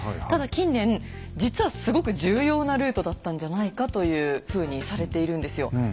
ただ近年実はすごく重要なルートだったんじゃないかというふうにされているんですよ。